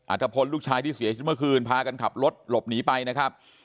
ทะพลลูกชายที่เสียชีวิตเมื่อคืนพากันขับรถหลบหนีไปนะครับ